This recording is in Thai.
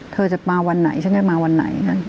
เธอจะมาวันไหนฉันจะมาวันไหน